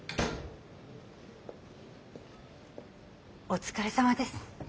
お疲れさまです。